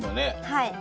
はい。